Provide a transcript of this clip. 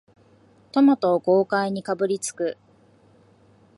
トマトを豪快にかぶりつく